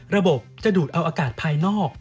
ระบบจะดูดเอาอากาศภายนอก